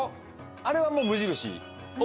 あれはもう無印。